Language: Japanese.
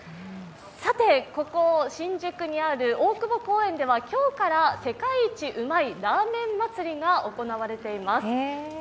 さて、ここ、新宿にある大久保公園では今日から世界一美味いラーメン祭が行われています。